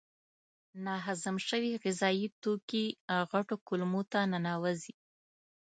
ناهضم شوي غذایي توکي غټو کولمو ته ننوزي.